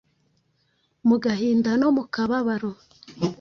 Mu gahinda no mu kababaro,